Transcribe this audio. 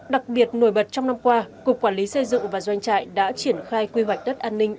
đặc biệt nổi bật trong năm qua cục quản lý xây dựng và doanh trại đã triển khai quy hoạch đất an ninh